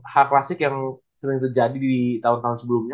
hal klasik yang sering terjadi di tahun tahun sebelumnya